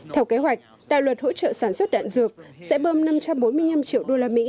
theo kế hoạch đạo luật hỗ trợ sản xuất đạn dược sẽ bơm năm trăm bốn mươi năm triệu đô la mỹ